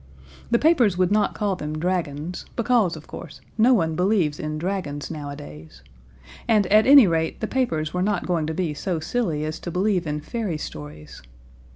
The papers would not call them dragons, because, of course, no one believes in dragons nowadays and at any rate the papers were not going to be so silly as to believe in fairy stories.